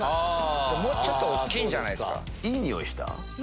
もうちょっと大きいんじゃない？